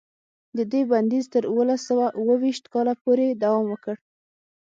د دې بندیز تر اوولس سوه اوه ویشت کاله پورې دوام وکړ.